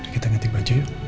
kita ngiting baju yuk